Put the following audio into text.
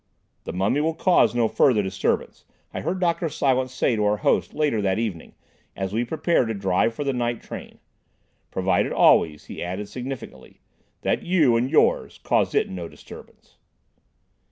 "The mummy will cause no further disturbance," I heard Dr. Silence say to our host later that evening as we prepared to drive for the night train, "provided always," he added significantly, "that you, and yours, cause it no disturbance."